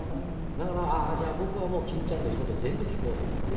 だからじゃあ僕は欽ちゃんの言う事を全部聞こうと思って。